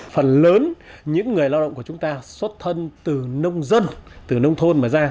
phần lớn những người lao động của chúng ta xuất thân từ nông dân từ nông thôn